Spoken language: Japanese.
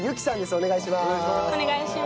お願いします。